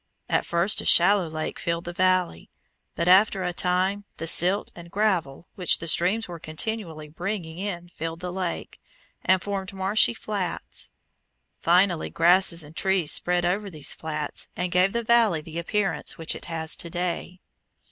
At first a shallow lake filled the valley, but after a time the silt and gravel which the streams were continually bringing in filled the lake, and formed marshy flats. Finally, grasses and trees spread over these flats and gave the valley the appearance which it has to day.